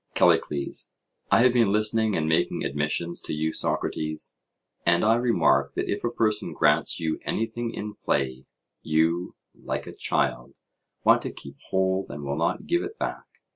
CALLICLES: I have been listening and making admissions to you, Socrates; and I remark that if a person grants you anything in play, you, like a child, want to keep hold and will not give it back.